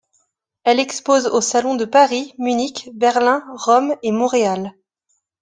Elle expose aux Salons de Paris, Munich, Berlin, Rome et Montréal.